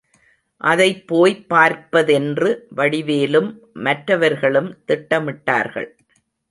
அதைப் போய்ப் பார்ப்பதென்று வடிவேலும் மற்றவர்களும் திட்டமிட்டார்கள்.